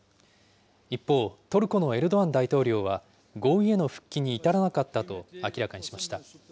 一方、トルコのエルドアン大統領は、合意への復帰に至らなかったと明らかにしました。